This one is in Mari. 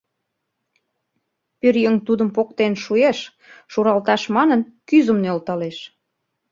Пӧръеҥ тудым поктен шуэш, шуралташ манын, кӱзым нӧлталеш...